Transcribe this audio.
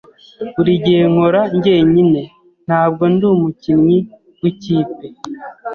Buri gihe nkora njyenyine. Ntabwo ndi umukinnyi w'ikipe.